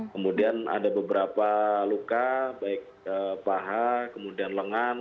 kemudian ada beberapa luka baik paha kemudian lengan